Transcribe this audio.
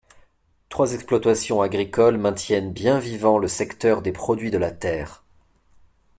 Trois exploitations.agricoles maintiennent bien vivant le secteur des produits de la terre.